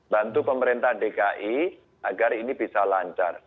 bantu pemerintah dki agar ini bisa lancar